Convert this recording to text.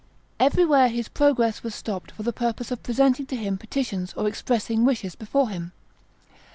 Everywhere his progress was stopped for the purpose of presenting to him petitions or expressing wishes before him.